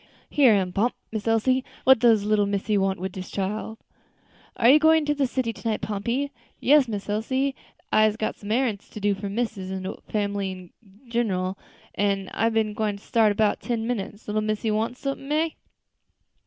"Here am Pomp, Miss Elsie; what does little missy want wid dis chile?" "Are you going to the city to night, Pompey?" "Yes, Miss Elsie, I'se got some arrants to do for missus an' de family in ginral, an' I ben gwine start in 'bout ten minutes. Little missy wants sumpin', eh?"